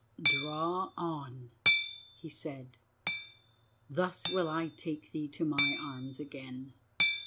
"Draw on," he said. "Thus will I take thee to my arms again.